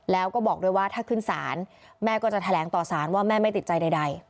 แล้วก็บอกด้วยว่าถ้าขึ้นศาลแม่ก็จะแถลงต่อสารว่าแม่ไม่ติดใจใด